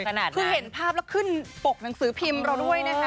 คือเห็นภาพแล้วขึ้นปกหนังสือพิมพ์เราด้วยนะคะ